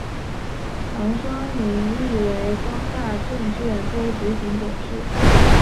唐双宁亦为光大证券非执行董事。